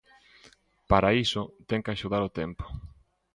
Para iso, ten que axudar o tempo.